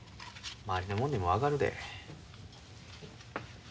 周りのもんにも分かるで。